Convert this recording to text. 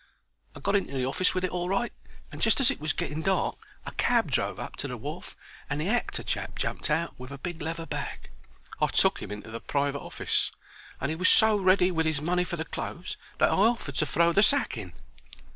I got into the office with it all right, and, just as it was getting dark, a cab drove up to the wharf and the actor chap jumped out with a big leather bag. I took 'im into the private office, and 'e was so ready with 'is money for the clothes that I offered to throw the sack in.